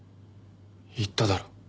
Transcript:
言っただろ？